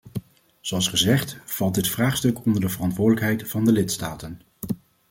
Zoals gezegd, valt dit vraagstuk onder de verantwoordelijkheid van de lidstaten.